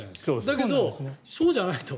だけどそうじゃないと。